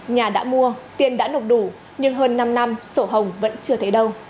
nhà đã mua tiền đã nộp đủ nhưng hơn năm năm sổ hồng vẫn chưa thấy đâu